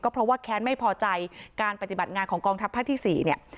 เพราะว่าแค้นไม่พอใจการปฏิบัติงานของกองทัพภาคที่๔เนี่ย